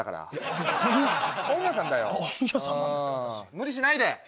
無理しないで。